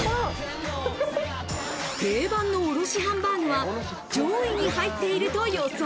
定番のおろしハンバーグは上位に入っていると予想。